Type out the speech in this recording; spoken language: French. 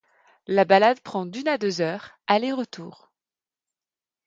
La balade prend d'une à deux heures aller-retour.